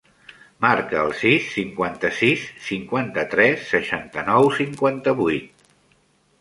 Marca el sis, cinquanta-sis, cinquanta-tres, seixanta-nou, cinquanta-vuit.